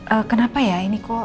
ee kenapa ya ini kok